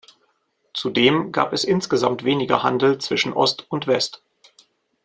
Zudem gab es insgesamt weniger Handel zwischen Ost und West.